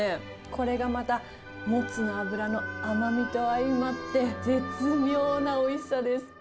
これがまた、もつの脂の甘みと相まって、絶妙なおいしさです。